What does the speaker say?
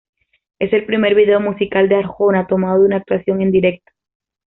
Es el primer video musical de Arjona tomado de una actuación en directo.